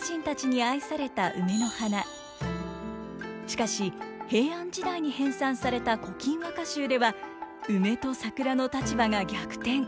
しかし平安時代に編纂された「古今和歌集」では梅と桜の立場が逆転。